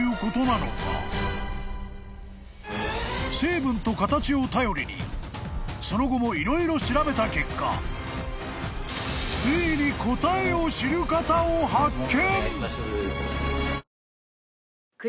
［成分と形を頼りにその後も色々調べた結果ついに答えを知る方を発見！］